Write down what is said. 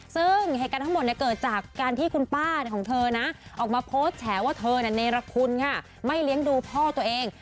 ซึ่งเหตุการณ์ทั้งหมดเกิดจากการที่คุณป้าของเธอนะออกมาโพสต์แฉว่าเธอเนรคุณค่ะไม่เลี้ยงดูพ่อตัวเอง